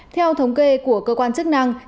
theo thống kê của cơ quan chức năng